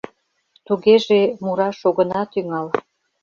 — Тугеже, мураш огына тӱҥал.